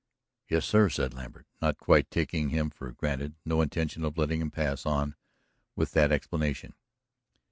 "Yes, sir?" said Lambert, not quite taking him for granted, no intention of letting him pass on with that explanation.